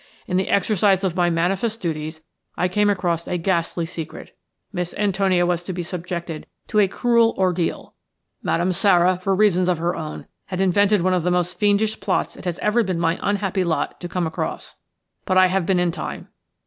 In the exercise of my manifest duties I came across a ghastly secret. Miss Antonia was to be subjected to a cruel ordeal. Madame Sara, for reasons of her own, had invented one of the most fiendish plots it has ever been my unhappy lot to come across. But I have been in time.